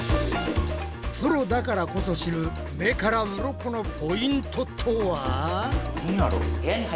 プロだからこそ知る目からウロコのポイントとは？